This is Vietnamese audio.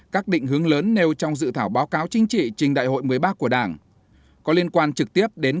các định hướng lớn nêu trong dự thảo báo cáo chính trị trình đại hội một mươi ba của đảng